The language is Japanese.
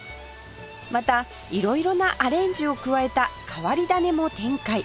また色々なアレンジを加えた変わり種も展開